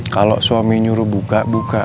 kalau suami nyuruh buka buka